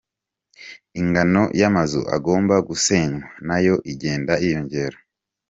Ingano y'amazu agomba gusenywa nayo igenda yiyongera.